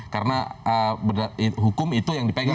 karena hukum itu yang dipegang begitu